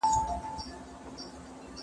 زه به اوږده موده د تکړښت لپاره تللي وم.